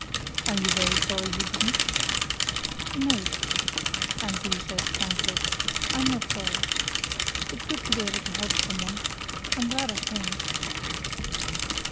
"Are you very sorry he didn't?" "No," Annesley said, frankly. "I'm not sorry. It's good to be able to help someone. I'm glad I came."